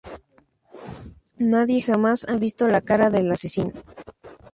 Nadie jamás ha visto la cara del asesino.